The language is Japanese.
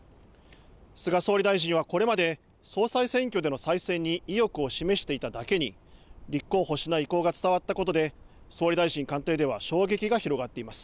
菅総理大臣はこれまで総裁選挙での再選に意欲を示していただけに立候補しない意向が伝わったことで総理大臣官邸では衝撃が広がっています。